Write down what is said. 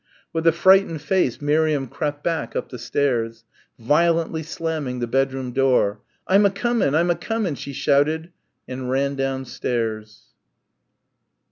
With a frightened face Miriam crept back up the stairs. Violently slamming the bedroom door, "I'm a comin' I'm a comin'," she shouted and ran downstairs.